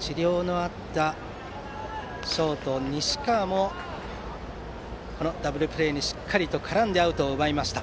治療のあったショート、西川もダブルプレーにしっかりと絡んでアウトを奪いました。